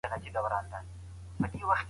خپل فکري جريانونه په منطق سره وڅېړئ.